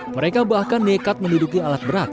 mereka bahkan nekat menduduki alat berat